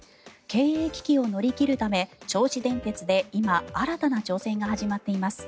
経営危機を乗り切るため銚子電鉄で今、新たな挑戦が始まっています。